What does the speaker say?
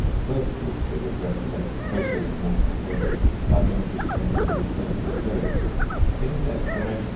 Both of these figures represent the process of mortification by images connected with death and burial. [Illustration: FIG. II.] In his explanation